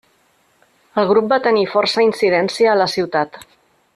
El Grup va tenir força incidència a la ciutat.